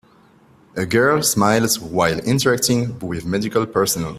A girl smiles while interacting with medical personnel.